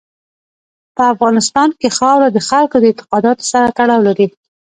په افغانستان کې خاوره د خلکو د اعتقاداتو سره تړاو لري.